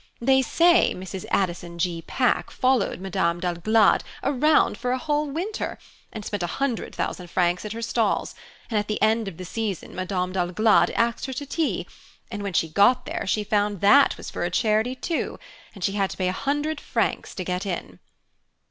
They say Mrs. Addison G. Pack followed Madame d'Alglade around for a whole winter, and spent a hundred thousand francs at her stalls; and at the end of the season Madame d'Alglade asked her to tea, and when she got there she found that was for a charity too, and she had to pay a hundred francs to get in."